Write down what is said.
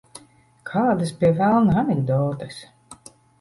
Kādas, pie velna, anekdotes?